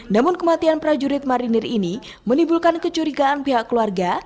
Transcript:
namun kematian prajurit marinir ini menimbulkan kecurigaan pihak keluarga